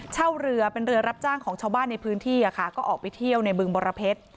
เช่าเรือเป็นเรือรับจ้างของชาวบ้านในพื้นที่ก็ออกไปเที่ยวในบึงบรเพชร